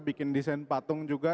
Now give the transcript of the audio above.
bikin desain patung juga